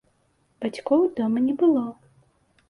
Бацькоў дома не было.